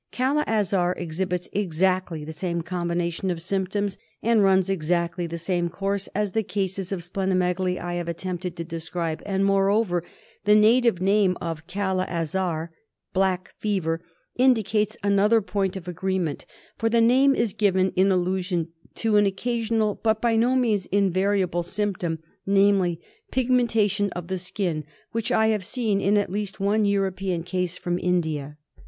Kala Azar exhibits exactly the same combination of symptoms, and runs exactly the same course, as the cases of spleno megaly I have attempted to describe; and, moreover, the native name Kala Azar — Black Fever — indicates another point of agreement ; for the name is given in allusion to an occasional but by no means invariable symptom, namely, pigmentation of the skin, which I have seen in at least one European case from India.